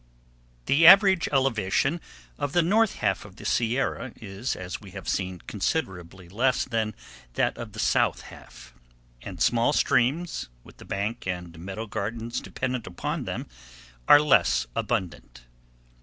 The average elevation of the north half of the Sierra is, as we have seen, considerably less than that of the south half, and small streams, with the bank and meadow gardens dependent upon them, are less abundant.